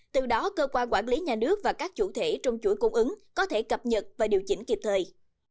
từ đó cơ quan quản lý nhà nước và các chủ thể trong chuỗi cung ứng có thể cập nhật và điều chỉnh kịp thời